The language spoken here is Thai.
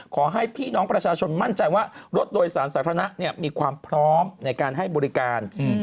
ขอให้พี่น้องประชาชนมั่นใจว่ารถโดยสารสาธารณะมีความพร้อมในการให้บริการ